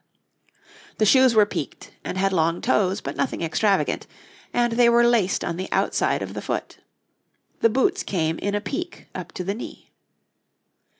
The shoes were peaked, and had long toes, but nothing extravagant, and they were laced on the outside of the foot. The boots came in a peak up to the knee.